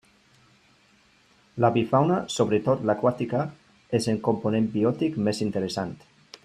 L'avifauna, sobretot l'aquàtica, és el component biòtic més interessant.